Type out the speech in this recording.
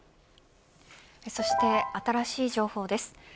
そして、新しい情報です。